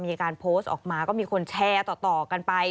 มีการโพสต์ออกมาก็มีคนแชร์ต่อกันไป